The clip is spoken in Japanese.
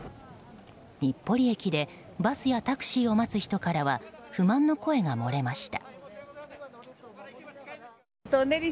日暮里駅でバスやタクシーを待つ人からは不満の声が漏れました。